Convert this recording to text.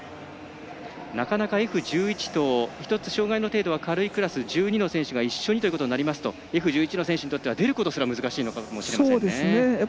なかなかＦ１１と１つ障がいの程度が軽いクラス１２の選手が一緒にということになりますとＦ１１の選手にとっては出ることすら難しいのかもしれないですね。